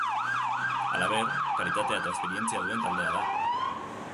Halaber, kalitatea eta esperientzia duen taldea da.